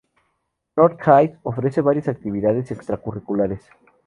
North High ofrece varias actividades extracurriculares.